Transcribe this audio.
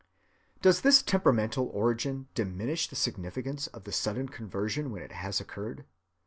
Does this temperamental origin diminish the significance of the sudden conversion when it has occurred?